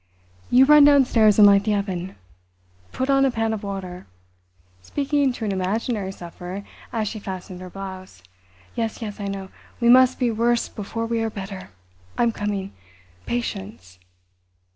"You run downstairs and light the oven. Put on a pan of water"—speaking to an imaginary sufferer as she fastened her blouse—"Yes, yes, I know—we must be worse before we are better—I'm coming—patience."